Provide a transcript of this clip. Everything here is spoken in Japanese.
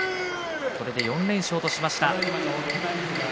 これで４連勝としました。